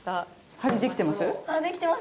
針できてます？